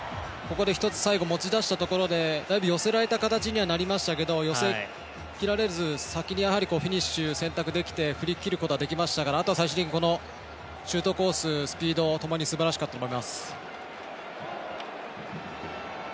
最後、持ち出したところでだいぶ寄せられた形になりましたがよせ切られず先にフィニッシュを選択できて振り切ることができましたが最終的にシュートコース、スピードともにすばらしかったと思います。